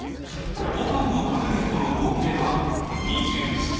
ごはんを食べる人の合計は２７人。